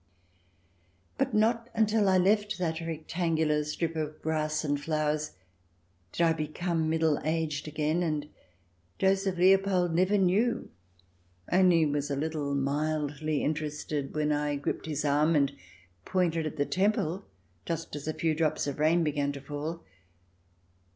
But not until I left that rectangular strip of grass and flowers did I become middle aged again, and Joseph Leopold never knew, only was a little mildly interested when I gripped his arm and pointed at the Temple just as a few drops of rain began to fall.